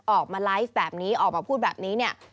ออกมาไลฟ์แบบนี้ออกมาพูดแบบนี้เนี่ย